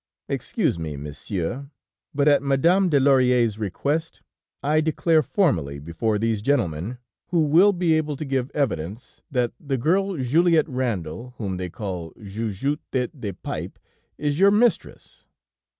Excuse me, monsieur, but at Madame de Laurière's request, I declare formally before these gentlemen, who will be able to give evidence, that the girl Juliette Randal, whom they call Jujutte Tête de Pipe, is your mistress.